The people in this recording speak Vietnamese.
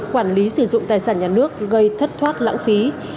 quản lý sử dụng tài sản nhà nước gây thất thoát lãng phí